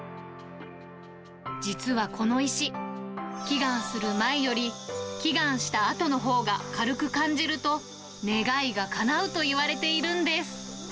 実はこの石、祈願する前より、祈願したあとのほうが軽く感じると、願いがかなうといわれているんです。